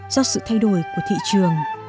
do sự thay đổi của thị trường